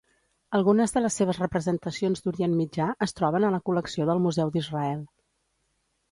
Algunes de les seves representacions d'Orient Mitjà es troben a la col·lecció del Museu d'Israel.